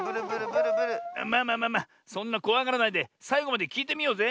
まあまあそんなこわがらないでさいごまできいてみようぜ。